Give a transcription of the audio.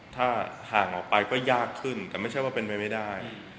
ถ้าห่างออกไปก็ยากขึ้นแต่ไม่ใช่ว่าเป็นไปไม่ได้